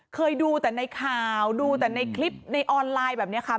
เคยดูแต่ในข่าวดูแต่ในคลิปในออนไลน์แบบนี้ค่ะ